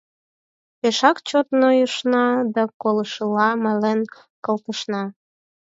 Пешак чот нойышна да колышыла мален колтышна.